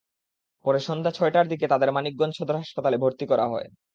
পরে সন্ধ্যা ছয়টার দিকে তাদের মানিকগঞ্জ সদর হাসপাতালে ভর্তি করা হয়।